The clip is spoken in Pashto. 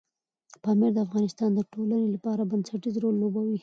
پامیر د افغانستان د ټولنې لپاره بنسټيز رول لوبوي.